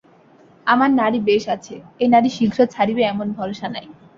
আমার নাড়ি বেশ আছে–এ নাড়ি শীঘ্র ছাড়িবে এমন ভরসা নাই।